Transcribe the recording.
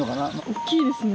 おっきいですね。